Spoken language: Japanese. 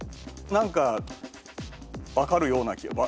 何か分かるような。